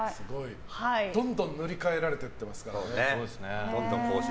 どんどん塗り替えられてますから。